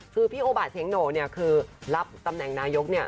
จริงพี่โอบาทเซ็งโหน่รับตำแหน่งนายก